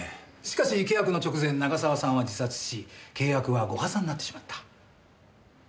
しかし契約の直前長澤さんは自殺し契約はご破算になってしまった。